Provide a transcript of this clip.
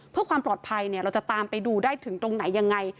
เพื่อความปลอดภัยเราจะตามไปดูได้ถึงตรงไหนยังไง